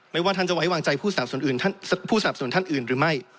ว่าท่านจะไว้วางใจผู้สนับสนท่านอื่นหรือไม่